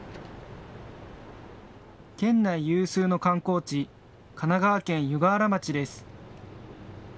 県内有数の観光地、神奈川県湯河原町です。